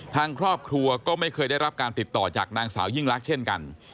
ทางครอบครัวก็ไม่เคยได้รับการติดต่อจากนางสาวยิ่งรักเช่นกัน